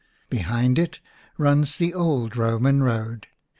Behind it runs the old Roman road.